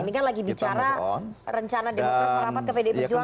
ini kan lagi bicara rencana demokrat merapat ke pdi perjuangan